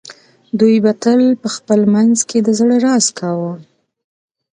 دوی به تل په خپل منځ کې د زړه راز کاوه